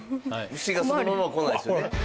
牛がそのまま来ないですよね。